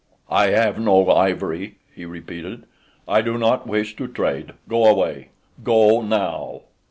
"I have no ivory," he repeated. "I do not wish to trade. Go away. Go now."